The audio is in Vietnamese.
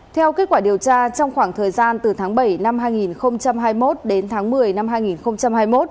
theo kết quả điều tra trong khoảng thời gian từ tháng bảy năm hai nghìn hai mươi một đến tháng một mươi năm hai nghìn hai mươi một